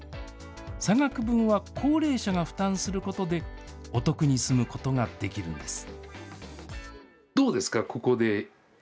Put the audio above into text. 差額分は高齢者が負担することで、お得に住むことができるんです。